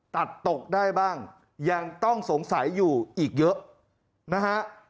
ตัดตกได้บ้างยังต้องสงสัยอยู่อีกเยอะนะฮะ